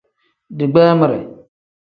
Digbeemire.